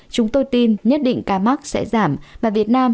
chúng tôi tin nhất định ca mắc sẽ giảm và việt nam